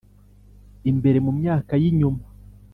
imbere mu myaka yinyuma